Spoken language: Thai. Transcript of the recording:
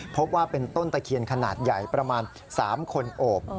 พบว่าเป็นต้นตะเคียนขนาดใหญ่ประมาณ๓คนโอบ